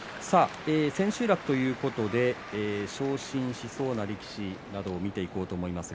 千秋楽ということで昇進しそうな力士を見ていきます。